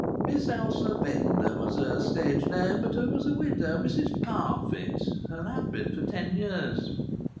"Miss Elsa Venda was her stage name, but her was a widow, Mrs Parfitt, and had bin for ten years.